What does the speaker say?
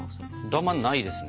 ダマないですね。